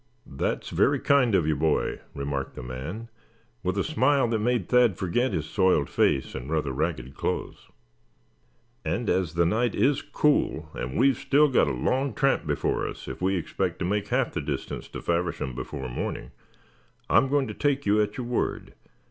"That is very kind of you, boy," remarked the man, with a smile that made Thad forget his soiled face and rather ragged clothes; "and as the night is cool, and we've still got a long tramp before us if we expect to make half the distance to Faversham before morning, I'm going to take you at your word.